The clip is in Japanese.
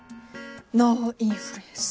ノーインフルエンス。